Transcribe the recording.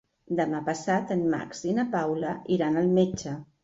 Demà passat en Max i na Paula iran al metge.